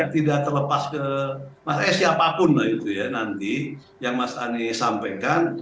tidak terlepas ke makanya siapapun lah itu ya nanti yang mas anies sampaikan